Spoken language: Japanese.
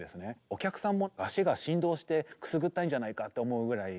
お客さんも足が振動してくすぐったいんじゃないかと思うぐらい。